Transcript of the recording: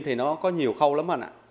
thì nó có nhiều khâu lắm anh ạ